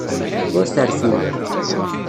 Ur terfim.